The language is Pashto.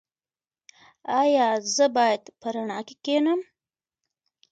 ایا زه باید په رڼا کې کینم؟